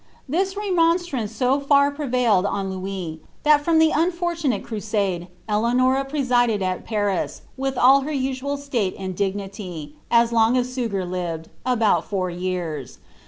This remonstrance so br prevailed tin Louis, that from the unrorts nate crusade, Eleanora resided at Paris, with all her usual state and &i iiiiy, aa long as Suger lived, about four years.